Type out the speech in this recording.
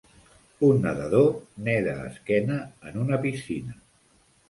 Un nedador neda esquena en una piscina.